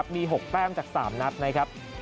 มี๖แต้มจาก๓นัดนะครับ